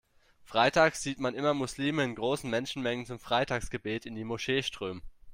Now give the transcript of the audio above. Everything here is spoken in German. Freitags sieht man immer Muslime in großen Menschenmengen zum Freitagsgebet in die Moschee strömen.